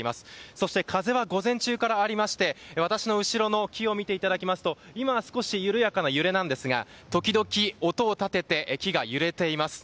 そして、風は午前中からありまして私の後ろの木を見ていただきますと今は少し緩やかな揺れですが時々、音を立てて木が揺れています。